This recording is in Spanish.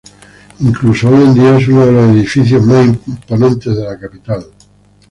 Incluso hoy en día es uno de los edificios más imponentes de la capital.